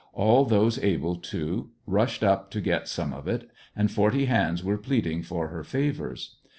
All those able to rushed up to get some of it and forty hands were pleading for her favors.